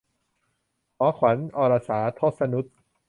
หอขวัญ - อรสา ทศนุต